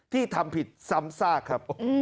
ที่ทำผิดซ้ำซากครับ